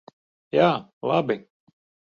Jā, labi.